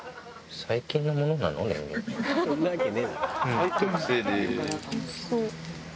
はい特製です。